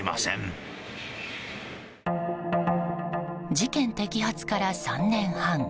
事件摘発から３年半。